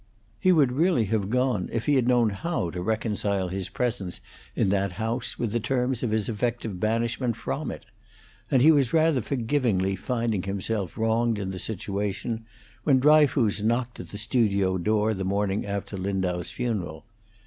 He would really have gone if he had known how to reconcile his presence in that house with the terms of his effective banishment from it; and he was rather forgivingly finding himself wronged in the situation, when Dryfoos knocked at the studio door the morning after Lindau's funeral.